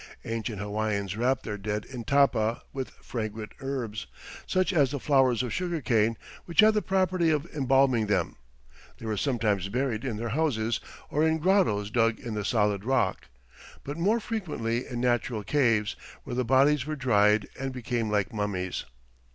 Ancient Hawaiians wrapped their dead in tapa with fragrant herbs, such as the flowers of sugar cane, which had the property of embalming them. They were sometimes buried in their houses or in grottoes dug in the solid rock, but more frequently in natural caves, where the bodies were dried and became like mummies.